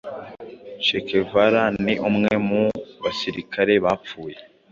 che guevara ni umwe mu basirikare bapfuye